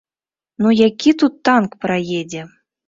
Ну які тут танк праедзе?